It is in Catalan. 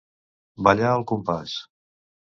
Ballar al compàs.